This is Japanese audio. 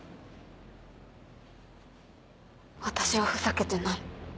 私はふざけてない。